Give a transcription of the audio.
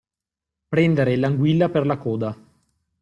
Prendere l'anguilla per la coda.